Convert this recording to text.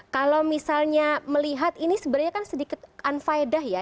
kalau misalnya melihat ini sebenarnya kan sedikit unfaedah ya